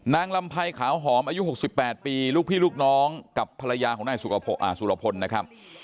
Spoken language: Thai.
ลำไพรขาวหอมอายุ๖๘ปีลูกพี่ลูกน้องกับภรรยาของนายสุรพลนะครับ